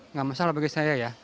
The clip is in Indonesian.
nggak masalah bagi saya ya